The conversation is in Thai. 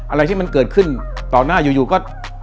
อะไรที่มันเกิดขึ้นต่อหน้าอยู่ก็